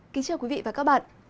kính chào quý vị và các bạn